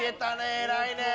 偉いね！